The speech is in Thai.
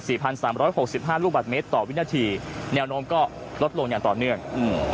พันสามร้อยหกสิบห้าลูกบาทเมตรต่อวินาทีแนวโน้มก็ลดลงอย่างต่อเนื่องอืม